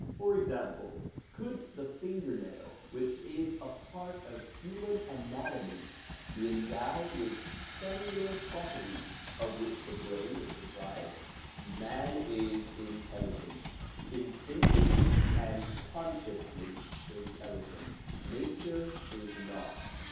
For example, could the finger nail which is a part of human anatomy be endowed with cellular properties of which the brain is deprived ? Man is intelligent, instinctively and consciously intelligent; nature is not.